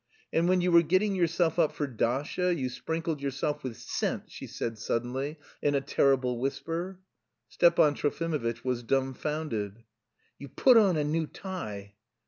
"And when you were getting yourself up for Dasha you sprinkled yourself with scent," she said suddenly, in a terrible whisper. Stepan Trofimovitch was dumbfounded. "You put on a new tie..."